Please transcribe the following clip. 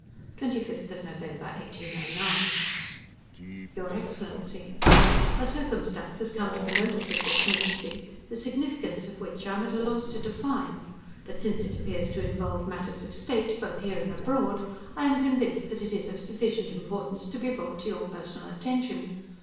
25 November, 1809 Your Excellency: A circumstance has come to the notice of this Ministry, the significance of which I am at a loss to define, but, since it appears to involve matters of State, both here and abroad, I am convinced that it is of sufficient importance to be brought to your personal attention.